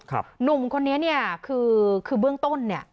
หนุ่มคนนี้เนี่ยคือคือเบื้องต้นเนี่ย